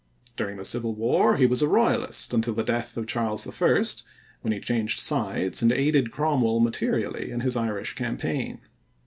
During the Civil War he was a royalist until the death of Charles I., when he changed sides and aided Cromwell materially in his Irish campaign.